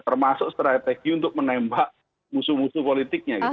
termasuk strategi untuk menembak musuh musuh politiknya gitu